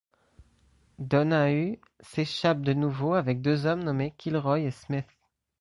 Donahue s'échappe de nouveau avec deux hommes nommés Kilroy et Smith.